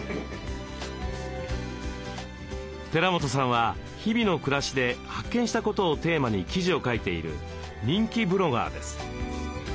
寺本さんは日々の暮らしで発見したことをテーマに記事を書いている人気ブロガーです。